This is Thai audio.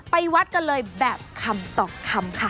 ไปวัดกันเลยแบบคำต่อคำค่ะ